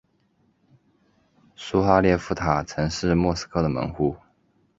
苏哈列夫塔曾是莫斯科的门户。